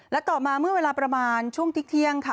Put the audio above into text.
และต่อมาเมื่อเวลาประมาณช่วงที่เที่ยงค่ะ